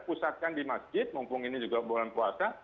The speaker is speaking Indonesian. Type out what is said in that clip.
pusatkan di masjid mumpung ini juga bulan puasa